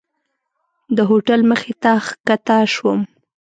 د هوټل مخې ته ښکته شوم.